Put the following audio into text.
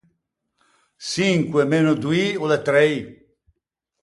Çinque meno doî o l’é trei.